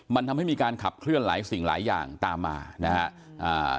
มันทำให้มีการขับเคลื่อนหลายสิ่งหลายอย่างตามมานะฮะอ่า